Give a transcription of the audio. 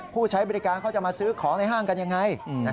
ผู้ใช้บริการเขาจะมาซื้อของในห้างกันยังไง